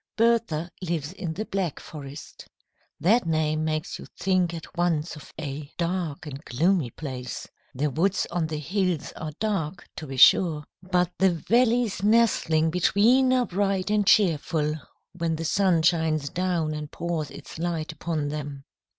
Bertha lives in the Black Forest. That name makes you think at once of a dark and gloomy place. The woods on the hills are dark, to be sure, but the valleys nestling between are bright and cheerful when the sun shines down and pours its light upon them.